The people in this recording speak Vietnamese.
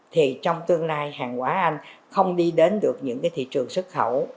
thì trong tương lai hàng quả anh không đi đến được những thị trường xuất khẩu